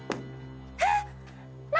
えっ